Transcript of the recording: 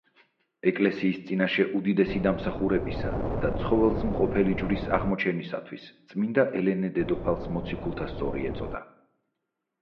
ეკლესიის წინაშე უდიდესი დამსახურებისა და ცხოველსმყოფელი ჯვრის აღმოჩენისათვის წმინდა ელენე დედოფალს მოციქულთასწორი ეწოდა.